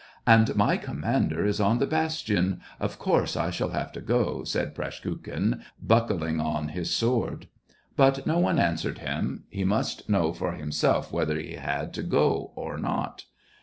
"And my commander is on the bastion — of course, I shall have to go," said Praskukhin, buck ling on his sword. But no one answered him : he must know for himself whether he had to go or not.